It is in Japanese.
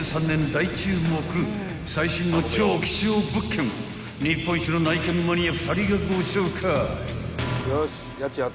大注目最新の超希少物件を日本一の内見マニア２人がご紹介］